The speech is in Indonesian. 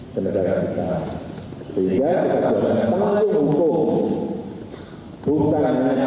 kenapa kita berhutang